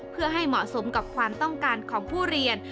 เพื่อให้เหมาะสมกับความต้องการของผู้เรียน